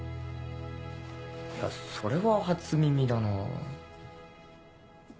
いやそれは初耳だな。